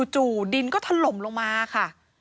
จู่ดินก็ถล่มลงมาค่ะ